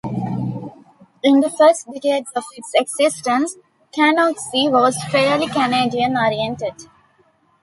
In the first decade of its existence, CanOxy was fairly Canadian-oriented.